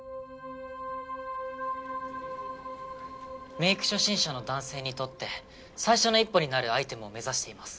メイク初心者の男性にとって最初の一歩になるアイテムを目指しています。